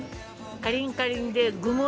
カリンカリンで具もね